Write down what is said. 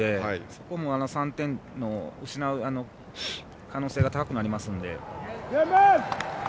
そこも３点を失う可能性が高くなりますので。